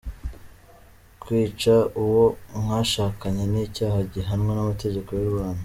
Kwica uwo mwashakanye ni icyaha gihanwa n'amategeko y'u Rwanda.